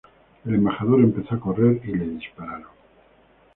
El embajador empezó a correr y le dispararon.